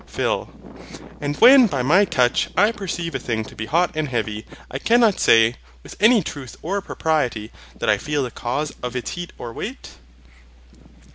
PHIL. And when by my touch I perceive a thing to be hot and heavy, I cannot say, with any truth or propriety, that I feel the cause of its heat or weight?